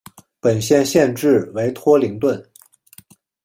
本县县治为托灵顿。